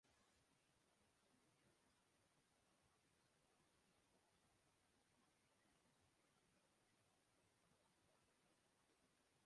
এটির ধরন প্রদর্শন-ভিত্তিক কারণ এটি প্রথম বার্মিজ রয়্যালটি বিনোদন দেওয়ার ক্রিয়াকলাপের মাধ্যম হিসাবে তৈরি হয়েছিল।